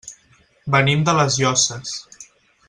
Venim de les Llosses.